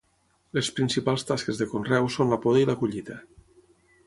Les principals tasques de conreu són la poda i la collita.